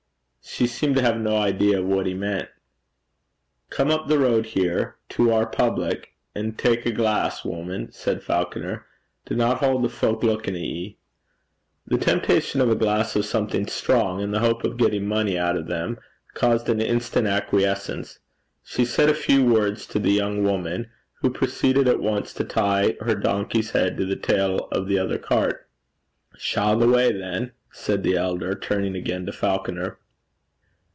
She seemed to have no idea of what he meant. 'Come up the road here, to oor public, an' tak a glaiss, wuman,' said Falconer. 'Dinna haud the fowk luikin' at ye.' The temptation of a glass of something strong, and the hope of getting money out of them, caused an instant acquiescence. She said a few words to the young woman, who proceeded at once to tie her donkey's head to the tail of the other cart. 'Shaw the gait than,' said the elder, turning again to Falconer.